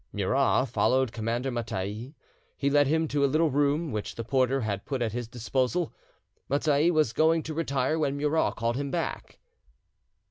Murat followed Commander Mattei: he led him to a little room which the porter had put at his disposal. Mattei was going to retire when Murat called him back.